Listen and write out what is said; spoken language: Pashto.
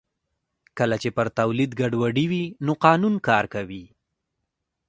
کله چې پر تولید ګډوډي وي نو قانون کار کوي